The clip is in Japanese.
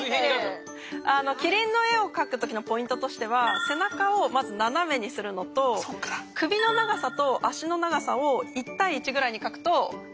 キリンの絵を描くときのポイントとしては背中をまず斜めにするのと首の長さと足の長さを１対１ぐらいに描くと上手に描けます。